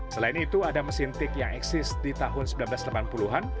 selain itu ada mesin tik yang eksis di tahun seribu sembilan ratus delapan puluh an